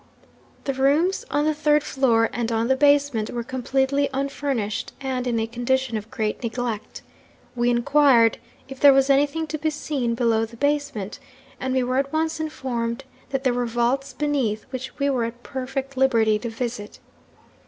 'The rooms on the third floor and on the basement were completely unfurnished, and in a condition of great neglect. We inquired if there was anything to be seen below the basement and we were at once informed that there were vaults beneath, which we were at perfect liberty to visit.